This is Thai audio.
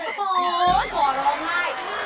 โอ้โหขอร้องไห้